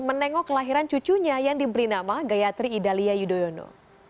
menengok kelahiran cucunya yang diberi nama gayatri idalia yudhoyono